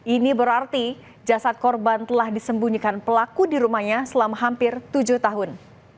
ini berarti jasad korban telah disembunyikan pelaku di rumahnya selama hampir tujuh tahun